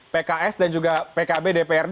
pks dan juga pkb dprd